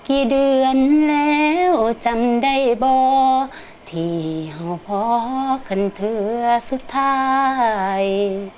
กี่เดือนแล้วจำได้บ่ที่เห่าพอกันเธอสุดท้าย